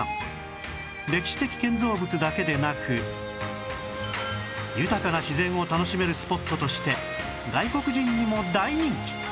歴史的建造物だけでなく豊かな自然を楽しめるスポットとして外国人にも大人気！